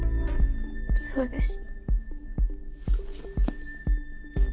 そうです。